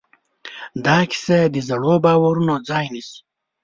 دا کیسه د زړو باورونو ځای نيسي.